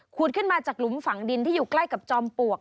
ขึ้นมาจากหลุมฝังดินที่อยู่ใกล้กับจอมปลวก